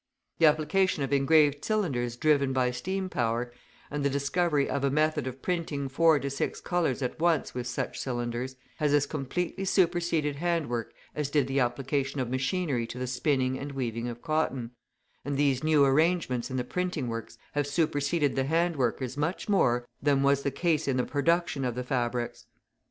The application of engraved cylinders driven by steam power, and the discovery of a method of printing four to six colours at once with such cylinders, has as completely superseded hand work as did the application of machinery to the spinning and weaving of cotton, and these new arrangements in the printing works have superseded the hand workers much more than was the case in the production of the fabrics.